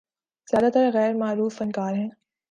زیادہ تر غیر معروف فنکار ہیں۔